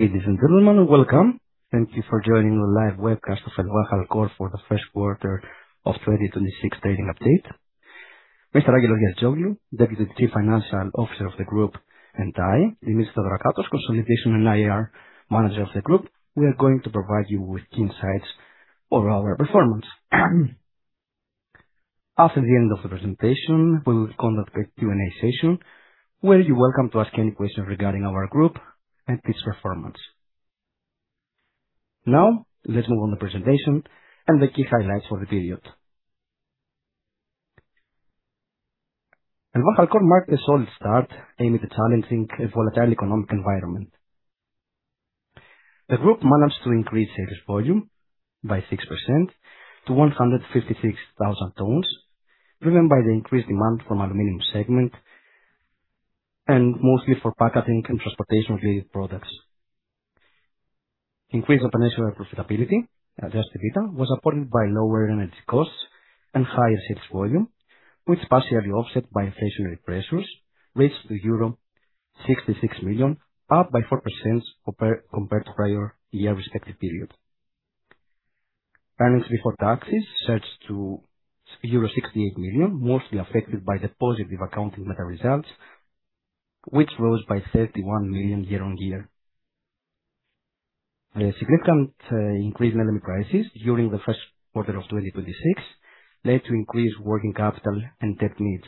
Ladies and gentlemen, welcome. Thank you for joining the live webcast of ElvalHalcor for the Q1 of 2026 trading update. Mr. Angelos Giazitzoglou, Deputy Chief Financial Officer of the group, and I, Dimitrios Theodorakatos, Consolidation and IR Manager of the group, we are going to provide you with insights over our performance. After the end of the presentation, we will conduct a Q&A session where you're welcome to ask any questions regarding our group and its performance. Now, let's move on to presentation and the key highlights for the period. ElvalHalcor marked a solid start, amid the challenging and volatile economic environment. The group managed to increase sales volume by 6% to 156,000 tons, driven by the increased demand from aluminum segment, and mostly for packaging and transportation-related products. Increased operational profitability, adjusted EBITDA, was appointed by lower energy costs and higher sales volume, which partially offset by inflationary pressures, reached euro 66 million, up by 4% compared to prior year respective period. Earnings before taxes surged to euro 68 million, mostly affected by the positive accounting metal results, which rose by 31 million year-on-year. A significant increase in LME prices during the Q1 of 2026 led to increased working capital and debt needs.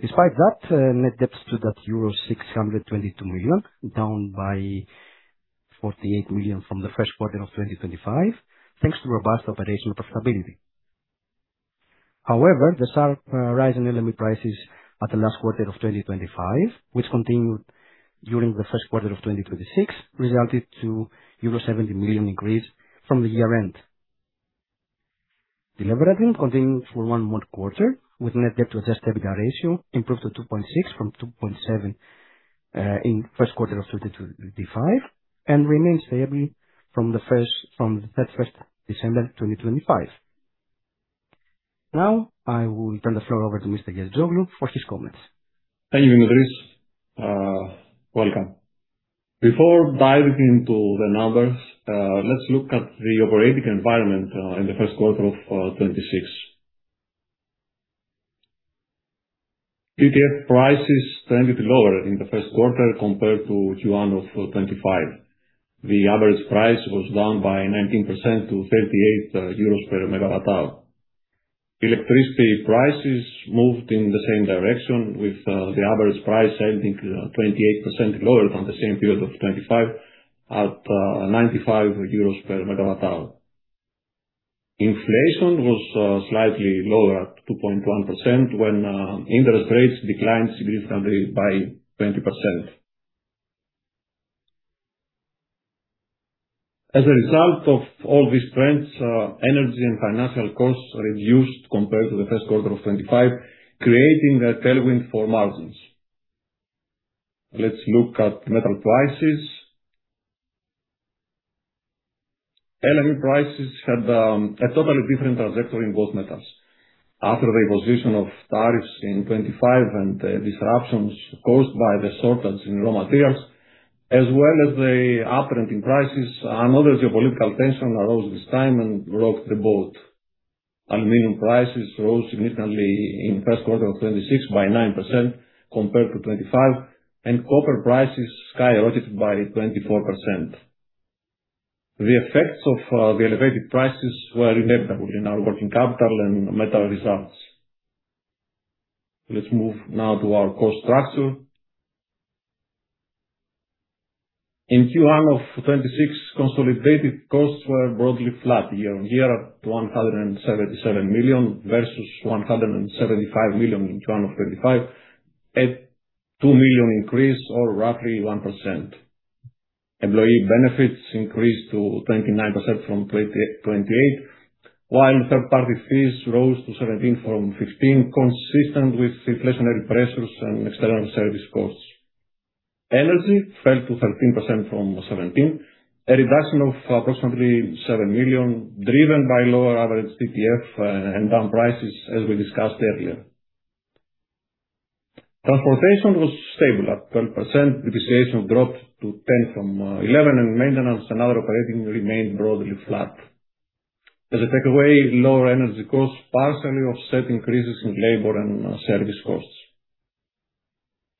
Despite that, net debt stood at euro 622 million, down by 48 million from the Q1 of 2025, thanks to robust operational profitability. The sharp rise in LME prices at the last quarter of 2025, which continued during the Q1 of 2026, resulted to euro 70 million increase from the year-end. Deleveraging continued for one more quarter, with net debt to adjusted EBITDA ratio improved to 2.6 from 2.7 in Q1 of 2025, and remains stable from the December 31st, 2025. Now, I will turn the floor over to Mr. Giazitzoglou for his comments. Thank you, Dimitrios. Welcome. Before diving into the numbers, let's look at the operating environment in the Q1 of 2026. TTF prices tended to be lower in the Q1 compared to Q1 of 2025. The average price was down by 19% to 38 euros per MWh. Electricity prices moved in the same direction, with the average price ending 28% lower than the same period of 2025 at 95 euros per MWh. Inflation was slightly lower at 2.1% when interest rates declined significantly by 20%. As a result of all these trends, energy and financial costs reduced compared to the Q1 of 2025, creating a tailwind for margins. Let's look at metal prices. LME prices had a totally different trajectory in both metals. After the imposition of tariffs in 2025 and disruptions caused by the shortage in raw materials, as well as the uptrending prices, another geopolitical tension arose this time and rocked the boat. Aluminium prices rose significantly in Q1 of 2026 by 9% compared to 2025. Copper prices skyrocketed by 24%. The effects of the elevated prices were inevitable in our working capital and metal results. Let's move now to our cost structure. In Q1 of 2026, consolidated costs were broadly flat year-on-year at 177 million versus 175 million in Q1 of 2025, a 2 million increase or roughly 1%. Employee benefits increased to 29% from 28%, while third-party fees rose to 17% from 15%, consistent with inflationary pressures and external service costs. Energy fell to 13% from 17%, a reduction of approximately 7 million, driven by lower average TTF and power prices, as we discussed earlier. Transportation was stable at 12%, depreciation dropped to 10% from 11%, and maintenance and other operating remained broadly flat. As a takeaway, lower energy costs partially offset increases in labor and service costs.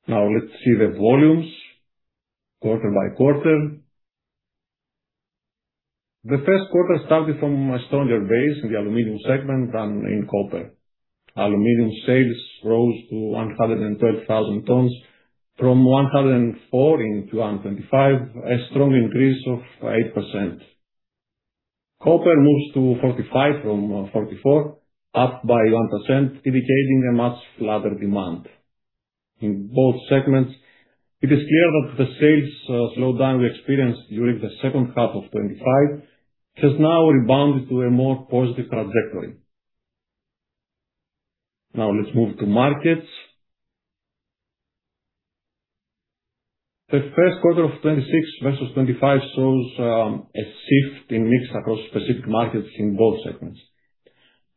Let's see the volumes quarter by quarter. The Q1 started from a stronger base in the aluminium segment than in copper. Aluminium sales rose to 112,000 tons from 104,000 tons in Q1 2025, a strong increase of 8%. Copper moves to 45,000 tons from 44,000 tons, up by 1%, indicating a much flatter demand. In both segments, it is clear that the sales slowdown we experienced during the H2 of 2025 has now rebounded to a more positive trajectory. Let's move to markets. The Q1 of 2026 versus 2025 shows a shift in mix across specific markets in both segments.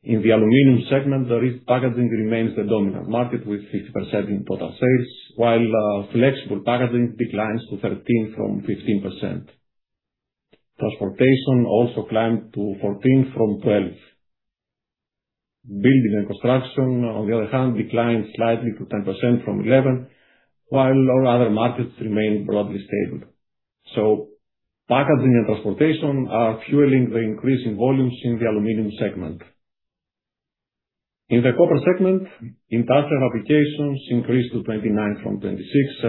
In the Aluminum Segment, the rigid packaging remains the dominant market with 50% in total sales, while flexible packaging declines to 13% from 15%. Transportation also climbed to 14% from 12%. Building and construction, on the other hand, declined slightly to 10% from 11%, while all other markets remained broadly stable. Packaging and transportation are fueling the increase in volumes in the Aluminum Segment. In the copper segment, industrial applications increased to 29% from 26%,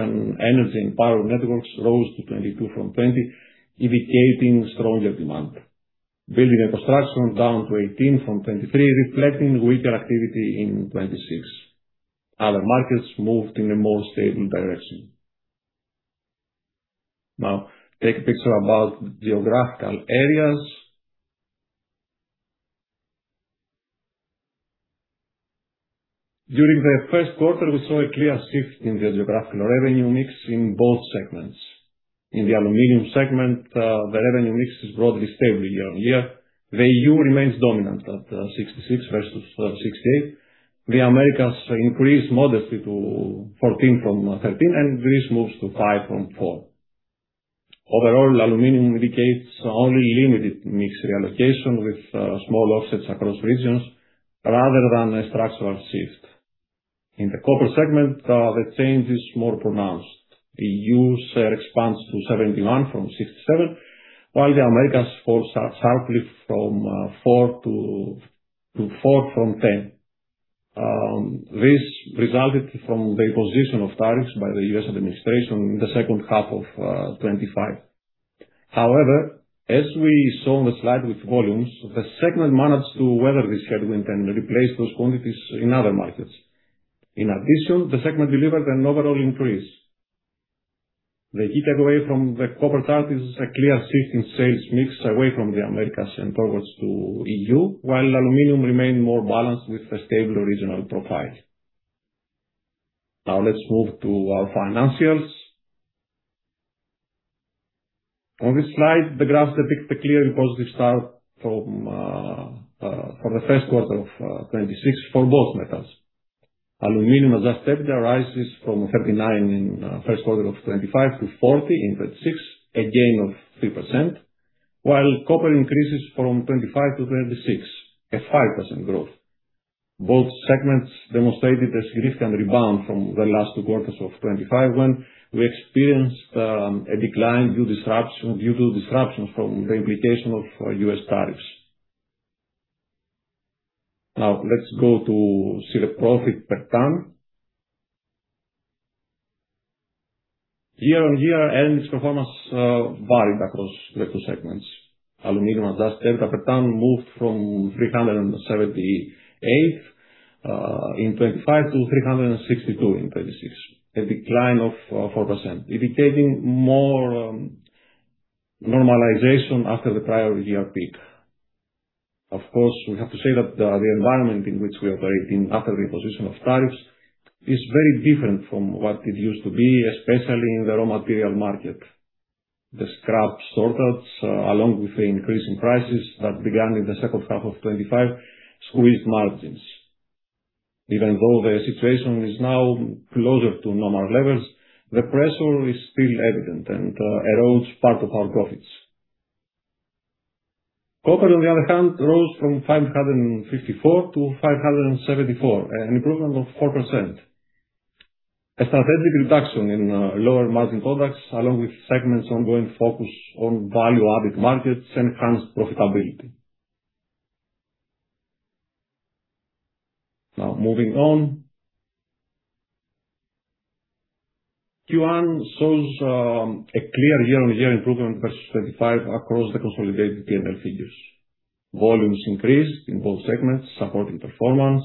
and energy and power networks rose to 22% from 20%, indicating stronger demand. Building and construction down to 18% from 23%, reflecting weaker activity in 2026. Other markets moved in a more stable direction. Take a picture about geographical areas. During the Q1, we saw a clear shift in the geographical revenue mix in both Segments. In the Aluminum Segment, the revenue mix is broadly stable year-on-year. The EU remains dominant at 66% versus 68%. The Americas increase modestly to 14% from 13%. Greece moves to 5% from 4%. Overall, aluminum indicates only limited mix reallocation with small offsets across regions rather than a structural shift. In the Copper Segment, the change is more pronounced. The EU's share expands to 71% from 67%, while the Americas falls sharply from 4% from 10%. This resulted from the imposition of tariffs by the US administration in the H2 of 2025. As we saw on the slide with volumes, the Segment managed to weather the reshuffling and replace those quantities in other markets. The Segment delivered an overall increase. The key takeaway from the copper part is a clear shift in sales mix away from the Americas and towards to EU, while aluminum remained more balanced with a stable regional profile. Let's move to our financials. On this slide, the graphs depict a clear and positive start for the Q1 of 2026 for both metals. Aluminum adjusted rises from 39 in Q1 of 2025 to 40 in 2026, a gain of 3%, while copper increases from 25 to 36, a 5% growth. Both segments demonstrated a significant rebound from the last two quarters of 2025, when we experienced a decline due to disruptions from the imposition of U.S. tariffs. Let's go to see the profit per ton. Year-over-year, earnings performance varied across the two segments. Aluminum adjusted EBITDA per ton moved from 378 in 2025 to 362 in 2026, a decline of 4%, indicating more normalization after the prior year peak. Of course, we have to say that the environment in which we operate in after the imposition of tariffs is very different from what it used to be, especially in the raw material market. The scrap shortages, along with the increase in prices that began in the H2 of 2025, squeezed margins. Even though the situation is now closer to normal levels, the pressure is still evident and erodes part of our profits. Copper, on the other hand, rose from 554-574, an improvement of 4%. A strategic reduction in lower-margin products, along with segment's ongoing focus on value-added markets, enhanced profitability. Now, moving on. Q1 shows a clear year-on-year improvement versus 2025 across the consolidated P&L figures. Volumes increased in both segments, supporting performance.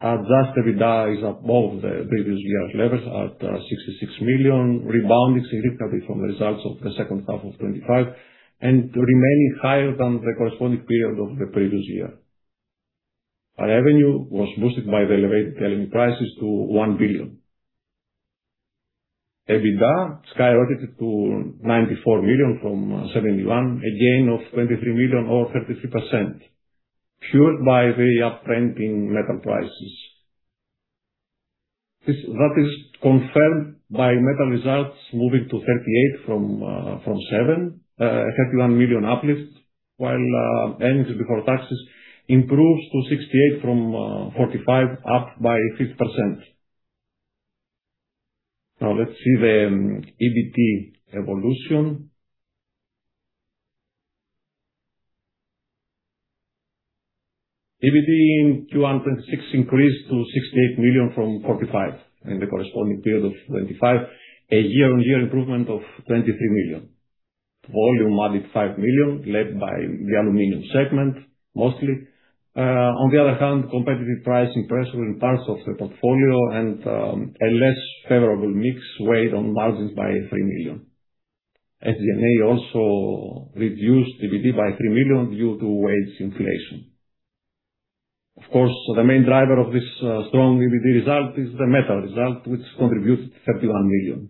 Adjusted EBITDA is above the previous year's levels at 66 million, rebounding significantly from the results of the H2 of 2025 and remaining higher than the corresponding period of the previous year. Our revenue was boosted by the elevated aluminum prices to 1 billion. EBITDA skyrocketed to 94 million from 71 million, a gain of 23 million or 33%, fueled by the uptrend in metal prices. That is confirmed by metal results moving to 38 million from 7 million, 31 million uplift, while earnings before taxes improves to 68 million from 45 million, up by 50%. Now, let's see the EBT evolution. EBT in Q1 2026 increased to 68 million from 45 million in the corresponding period of 2025, a year-on-year improvement of 23 million. Volume added 5 million, led by the aluminum segment, mostly. On the other hand, competitive pricing pressure in parts of the portfolio and a less favorable mix weighed on margins by 3 million. SG&A also reduced EBT by 3 million due to wage inflation. Of course, the main driver of this strong EBT result is the metal results, which contributed 31 million.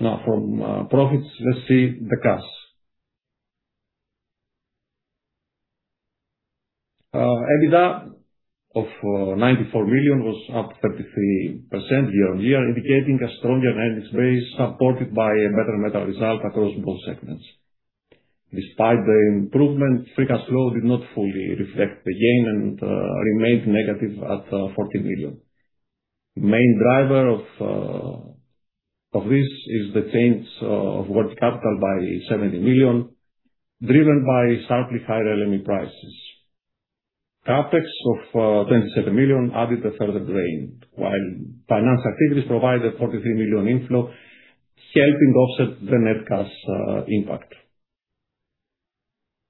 Now from profits, let's see the cash. EBITDA of 94 million was up 33% year-on-year, indicating a stronger earnings base supported by a better metal results across both segments. Despite the improvement, free cash flow did not fully reflect the gain and remained negative at 14 million. Main driver of this is the change of working capital by 70 million, driven by sharply higher LME prices. CapEx of 27 million added a further drain, while finance activities provided 43 million inflow, helping offset the net cash impact.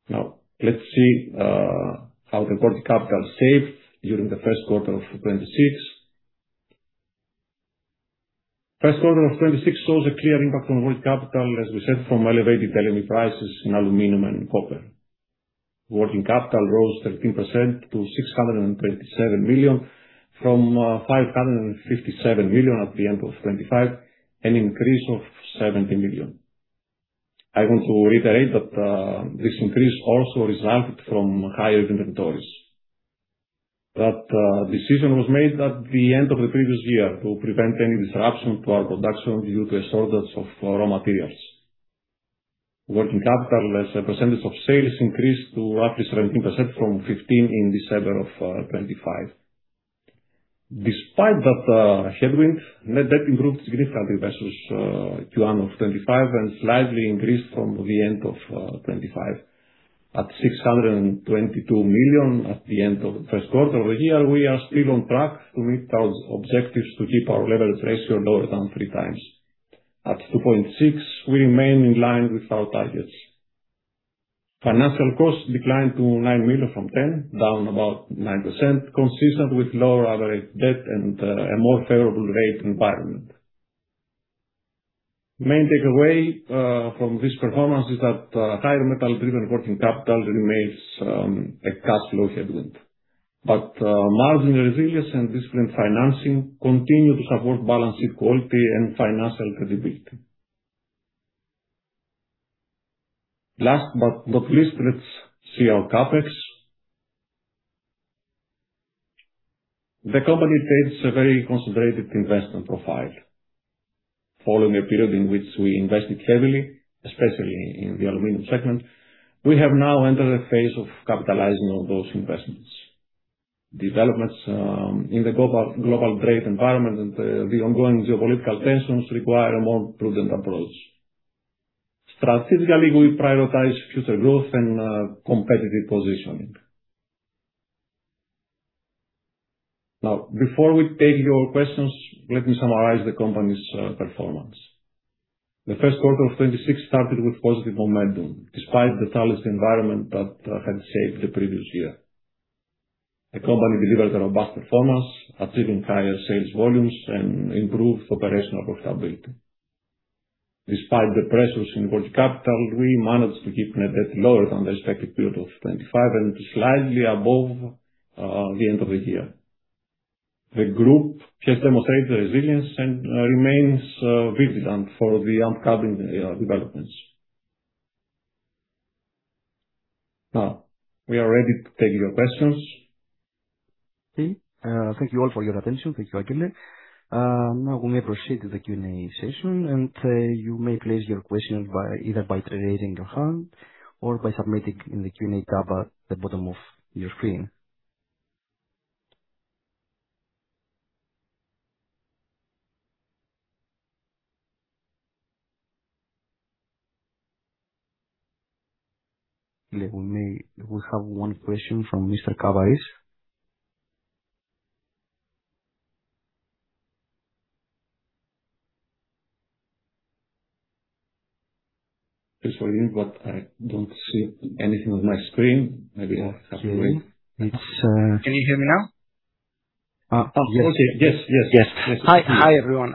Let's see how the working capital saved during the Q1 of 2026. Q1 of 2026 shows a clear impact on working capital, as we said, from elevated LME prices in aluminum and copper. Working capital rose 13% to 627 million from 557 million at the end of 2025, an increase of 70 million. I want to reiterate that this increase also resulted from higher inventories. That decision was made at the end of the previous year to prevent any disruption to our production due to a shortage of raw materials. Working capital as a percentage of sales increased to roughly 17% from 15% in December of 2025. Despite that headwind, net debt improved significantly versus Q1 of 2025 and slightly increased from the end of 2025. At 622 million at the end of the Q1 over here, we are still on track to meet our objectives to keep our leverage ratio lower than three times. At 2.6, we remain in line with our targets. Financial costs declined to 9 million from 10 million, down about 9%, consistent with lower average debt and a more favorable rate environment. Main takeaway from this performance is that higher metal-driven working capital remains a cash flow headwind. Marginal resilience and disciplined financing continue to support balance sheet quality and financial credibility. Last but not least, let's see our CapEx. The company takes a very conservative investment profile. Following a period in which we invested heavily, especially in the aluminum segment, we have now entered a phase of capitalizing on those investments. Developments in the global trade environment and the ongoing geopolitical tensions require a more prudent approach. Strategically, we prioritize future growth and competitive positioning. Before we take your questions, let me summarize the company's performance. The Q1 of 2026 started with positive momentum despite the challenged environment that had shaped the previous year. The company delivered a robust performance, achieving higher sales volumes and improved operational profitability. Despite the pressures in working capital, we managed to keep net debt lower than the respective period of 2025 and slightly above the end of the year. The group has demonstrated resilience and remains vigilant for the upcoming developments. We are ready to take your questions. Okay. Thank you all for your attention. Thank you, Angelos. Now we may proceed to the Q&A session. You may place your question either by raising your hand or by submitting in the Q&A tab at the bottom of your screen. We have one question from Mr. Kavafis. Just for you, but I don't see anything on my screen. Maybe I have to wait. It's, uh. Can you hear me now? Yes. Hi, everyone.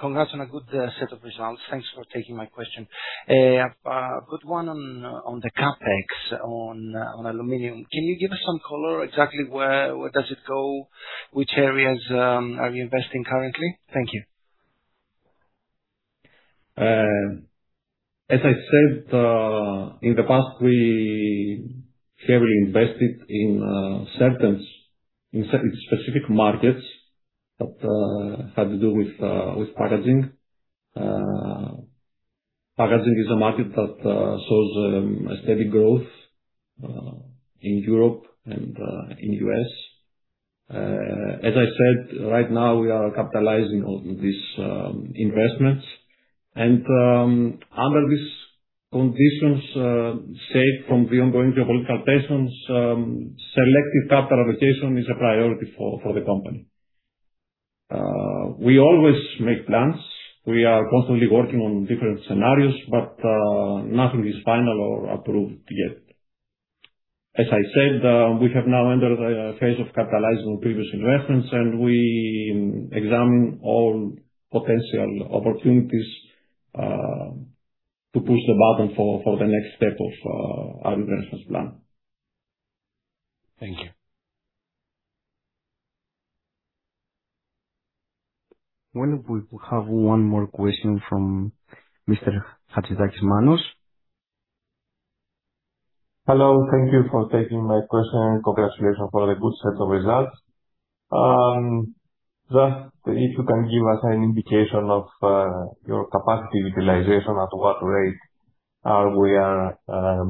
Congrats on a good set of results. Thanks for taking my question. I've got one on the CapEx on aluminium. Can you give us some color exactly where does it go? Which areas are you investing currently? Thank you. As I said, in the past, we heavily invested in certain specific markets that had to do with packaging. Packaging is a market that shows a steady growth in Europe and in U.S. As I said, right now we are capitalizing on these investments, and under these conditions, safe from the ongoing geopolitical tensions, selective capital allocation is a priority for the company. We always make plans. We are constantly working on different scenarios, but nothing is final or approved yet. As I said, we have now entered a phase of capitalizing on previous investments, and we examine all potential opportunities to push the button for the next step of our investments plan. Thank you. One, we have one more question from Mr. Manos Hatzidakis. Hello. Thank you for taking my question. Congratulations for the good set of results. Just if you can give us an indication of your capacity utilization, at what rate are we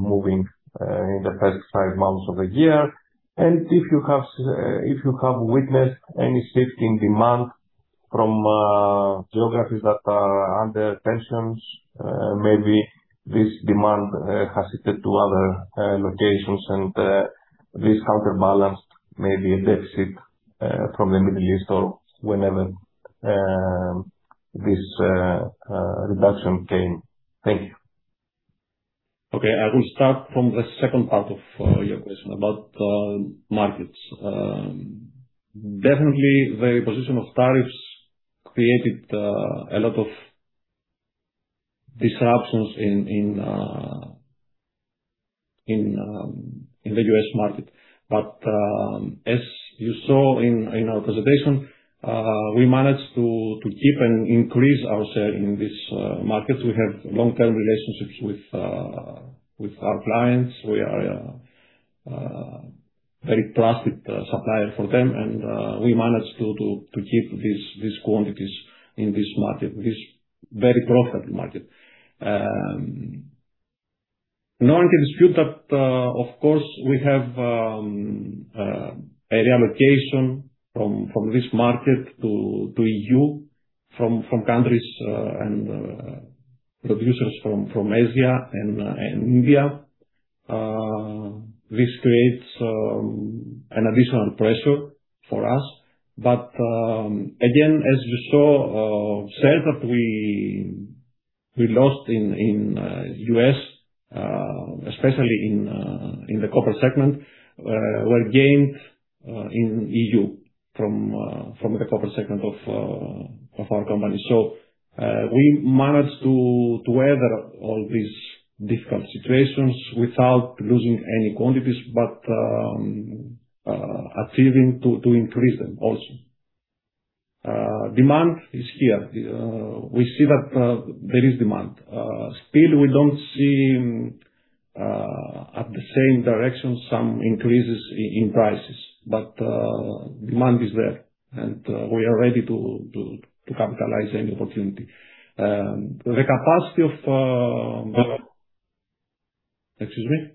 moving in the first five months of the year? If you have witnessed any shift in demand from geographies that are under tensions, maybe this demand has shifted to other locations and this counterbalanced maybe a deficit from the Middle East or whenever this reduction came. Thank you. Okay, I will start from the second part of your question about markets. Definitely, the imposition of tariffs created a lot of disruptions in the U.S. market. As you saw in our presentation, we managed to keep and increase our share in this market. We have long-term relationships with our clients. We are a very trusted supplier for them and we managed to keep these quantities in this market, this very profitable market. No one can dispute that, of course, we have a reallocation from this market to EU, from countries and producers from Asia and India. This creates an additional pressure for us. Again, as you saw, sales that we lost in U.S., especially in the copper segment, were gained in EU from the copper segment of our company. We managed to weather all these difficult situations without losing any quantities, but achieving to increase them also. Demand is here. We see that there is demand. Still, we don't see at the same direction some increases in prices, but demand is there, and we are ready to capitalize any opportunity. Excuse me?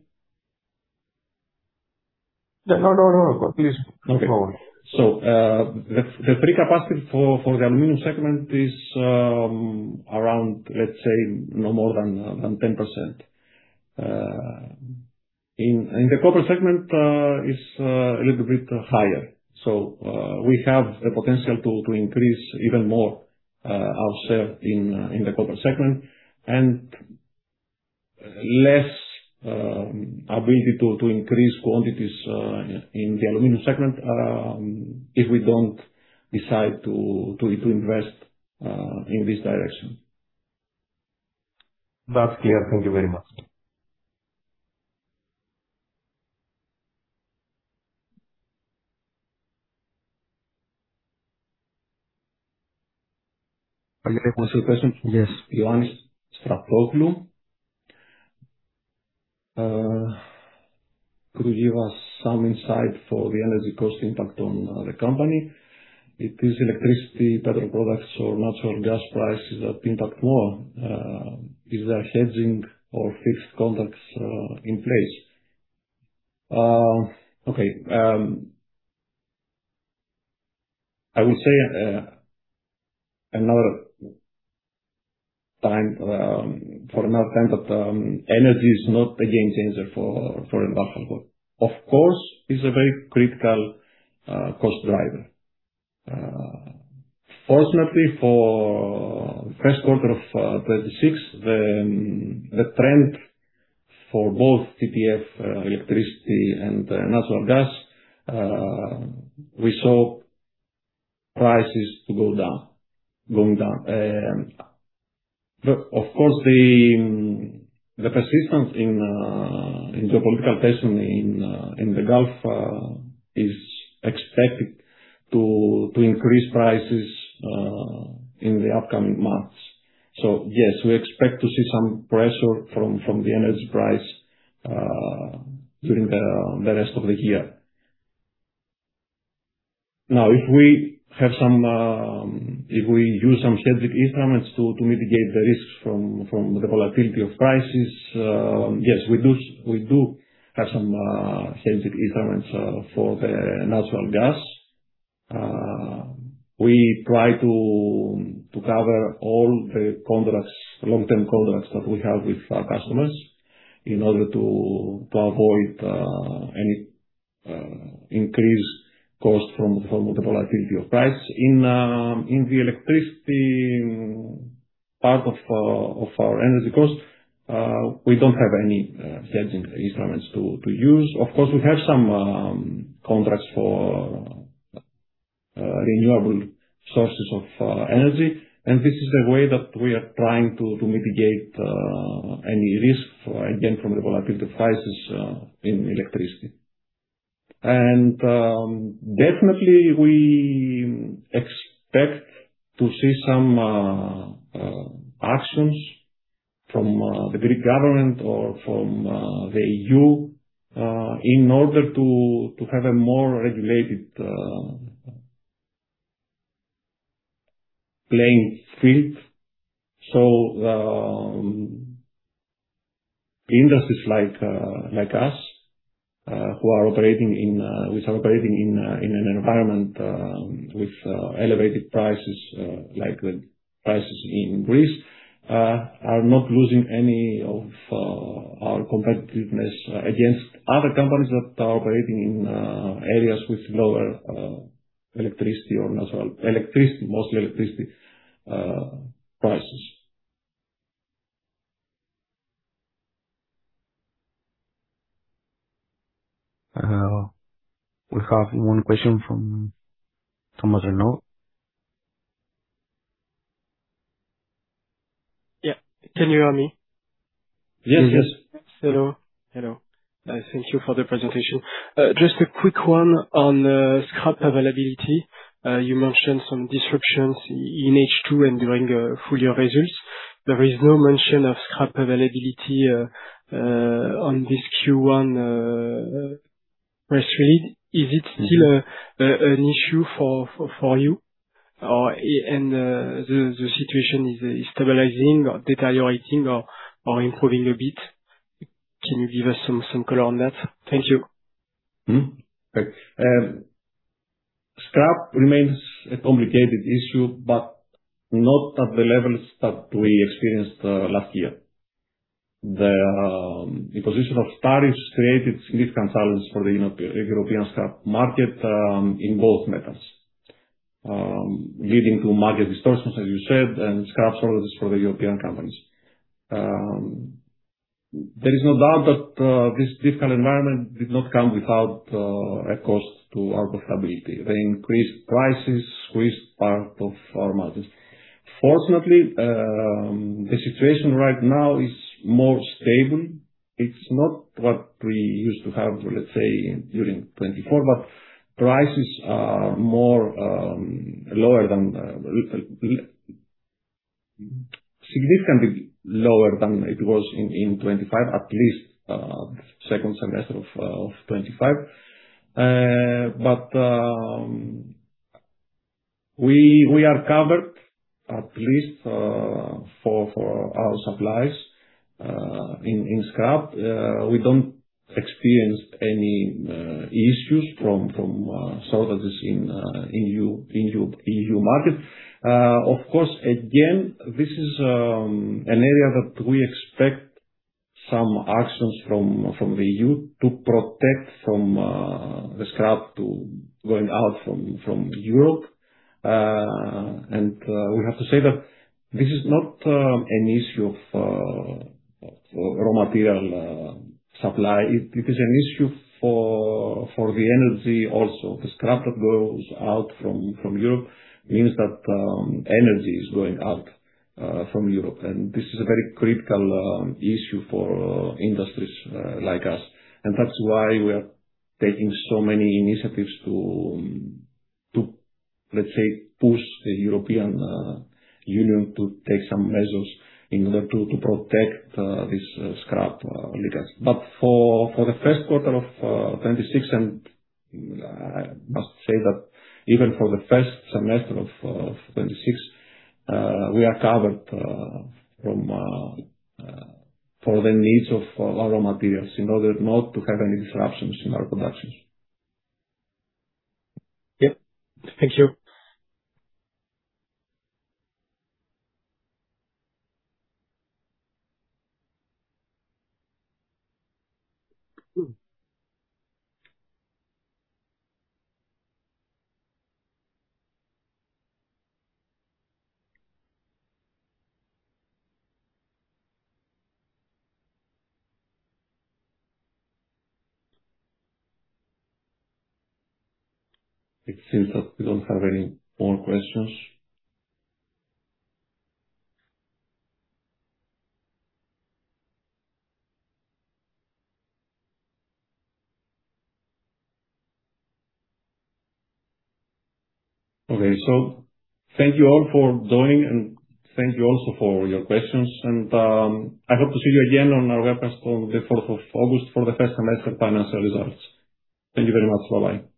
No, please go on. The free capacity for the aluminium segment is around, let's say, no more than 10%. In the copper segment, it's a little bit higher. We have the potential to increase even more our share in the copper segment and less ability to increase quantities in the aluminium segment if we don't decide to invest in this direction. That's clear. Thank you very much. I have one more question. Yes. Ioannis Stratopoulos. Could you give us some insight for the energy cost impact on the company? If it is electricity, petrol products or natural gas prices that impact more, is there hedging or fixed contracts in place? I will say for another time that energy is not a game changer for ElvalHalcor. It's a very critical cost driver. For Q1 of 2026, the trend for both TTF electricity and natural gas, we saw prices going down. The persistence in geopolitical tension in the Gulf is expected to increase prices in the upcoming months. Yes, we expect to see some pressure from the energy price during the rest of the year. If we use some hedging instruments to mitigate the risks from the volatility of prices, yes, we do have some hedging instruments for the natural gas. We try to cover all the long-term contracts that we have with our customers in order to avoid any increased cost from the volatility of price. In the electricity part of our energy cost, we don't have any hedging instruments to use. Of course, we have some contracts for renewable sources of energy, this is a way that we are trying to mitigate any risk, again, from the volatility of prices in electricity. Definitely, we expect to see some actions from the Greek government or from the EU in order to have a more regulated playing field. Industries like us who are operating in an environment with elevated prices like the prices in Greece, are not losing any of our competitiveness against other companies that are operating in areas with lower electricity or natural electricity, mostly electricity prices. We have one question from some other note. Yeah. Can you hear me? Yes. Hello. Thank you for the presentation. Just a quick one on scrap availability. You mentioned some disruptions in H2 and during full year results. There is no mention of scrap availability on this Q1 press read. Is it still an issue for you? The situation is stabilizing or deteriorating or improving a bit. Can you give us some color on that? Thank you. Scrap remains a complicated issue, but not at the levels that we experienced last year. The imposition of tariffs created significant challenges for the European scrap market, in both metals, leading to market distortions, as you said, and scrap shortages for the European companies. There is no doubt that this difficult environment did not come without a cost to our profitability. The increased prices squeezed part of our margins. Fortunately, the situation right now is more stable. It's not what we used to have, let's say, during 2024, but prices are significantly lower than it was in 2025, at least second semester of 2025. We are covered at least, for our supplies in scrap. We don't experience any issues from shortages in EU market. Of course, again, this is an area that we expect some actions from the EU to protect from the scrap to going out from Europe. We have to say that this is not an issue of raw material supply. It is an issue for the energy also. The scrap that goes out from Europe means that energy is going out from Europe, and this is a very critical issue for industries like us. That's why we are taking so many initiatives to, let's say, push the European Union to take some measures in order to protect these scrap leakage. For the Q1 of 2026, and I must say that even for the first semester of 2026, we are covered for the needs of our raw materials in order not to have any disruptions in our productions. Yeah. Thank you. It seems that we don't have any more questions. Okay. Thank you all for joining. Thank you also for your questions. I hope to see you again on our webcast on the August 4th for the first semester financial results. Thank you very much. Bye-bye.